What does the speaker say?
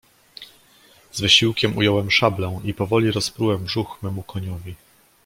"Z wysiłkiem ująłem szablę i powoli rozprułem brzuch memu koniowi."